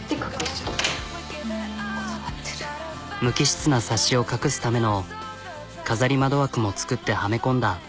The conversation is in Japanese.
無機質なサッシを隠すための飾り窓枠も作ってはめ込んだ。